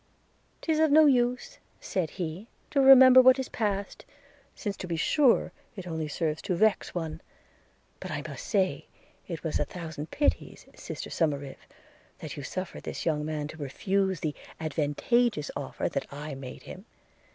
''Tis of no use,' said he, 'to remember what is passed, since to be sure it only serves to vex one; but I must say, it was a thousand pities, sister Somerive, that you suffered this young man to refuse the advantageous offer that I made him.